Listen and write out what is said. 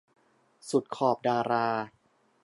สุดขอบดารา